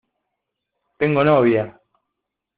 Tengo novia.